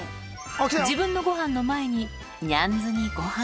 自分のごはんの前に、ニャンズにごはん。